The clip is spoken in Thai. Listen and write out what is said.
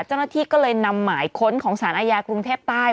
เจ้าหน้าที่ก็เลยนำหมายค้นของสารอาญากรุงเทพใต้